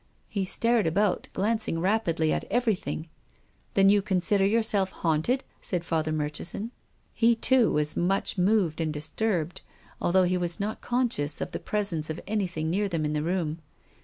He stared about, glancing rapidly at everything. "Then you consider yourself haunted ?" said Fatlier Murchison. He, too, was mucli moved and disturbed, although he was not conscious of ihu jjrcsence of anything near them in the room.